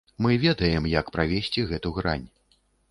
Мы ведаем, як правесці гэту грань.